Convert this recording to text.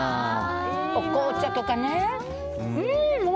紅茶とかね。